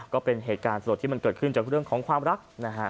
ก็เป็นเหตุการณ์สลดที่มันเกิดขึ้นจากเรื่องของความรักนะฮะ